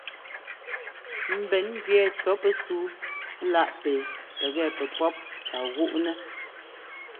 Ḿbɛn ŋgẅɛɛ cɔ̌ pɛsúu láꞌ pɛ pɛgɛ pɛpɔ́p ka gúꞌnɛ́.